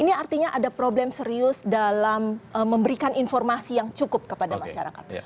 ini artinya ada problem serius dalam memberikan informasi yang cukup kepada masyarakat